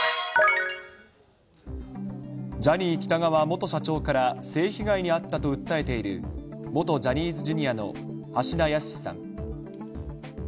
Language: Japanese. ジャニー喜多川元社長から性被害に遭ったと訴えている元ジャニーズＪｒ．の橋田康さん。